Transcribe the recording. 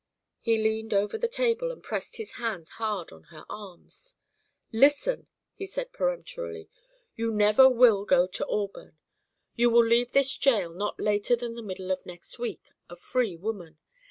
He leaned over the table and pressed his hands hard on her arms. "Listen!" he said peremptorily. "You never will go to Auburn. You will leave this jail not later than the middle of next week, a free woman.